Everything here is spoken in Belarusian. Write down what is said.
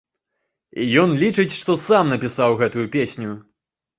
Ён лічыць, што сам напісаў гэтую песню.